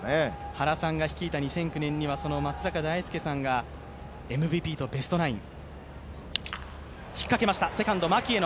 原さんが率いた２００９年には、その松坂大輔さんがＭＶＰとベストナイン。